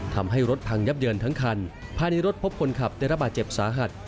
ทำให้รถพังยับเยินทั้งคันภายในรถพบคนขับได้รับบาดเจ็บสาหัส